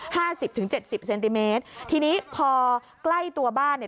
สิบถึงเจ็ดสิบเซนติเมตรทีนี้พอใกล้ตัวบ้านเนี่ย